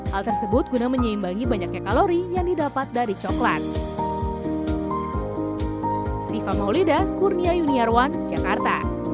hal tersebut guna menyeimbangi banyaknya kalori yang didapat dari coklat